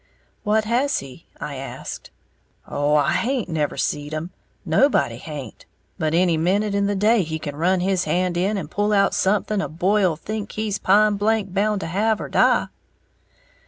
"What has he?" I asked. "Oh, I haint never seed 'em, nobody haint; but any minute in the day he can run his hand in and pull out something a boy'll think he's pine blank bound to have or die!"